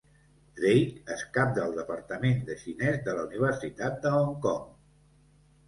Drake, excap del departament de xinès de la Universitat de Hong Kong.